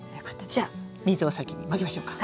じゃあ水を先にまきましょうか。